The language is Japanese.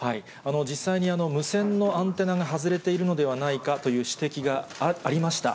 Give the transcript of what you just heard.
実際に無線のアンテナが外れているのではないかという指摘がありました。